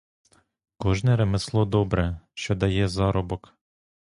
Кожне ремесло добре, що дає заробок.